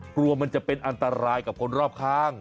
กลัวมันจะเป็นอันตรายกับคนรอบข้าง